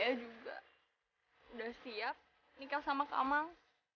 saya juga udah siap nikah sama kamang